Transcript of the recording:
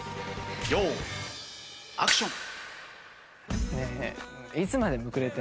用意アクション。